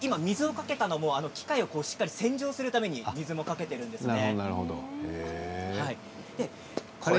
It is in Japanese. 水をかけたのも機械を洗浄するためにかけているんですね。